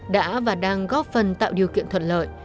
đã và đang góp phần tạo điều kiện thuận lợi